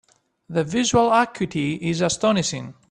The visual acuity is astonishing.